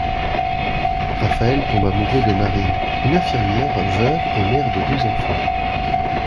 Rafael tombe amoureux de Marie, une infirmière veuve et mère de deux enfants.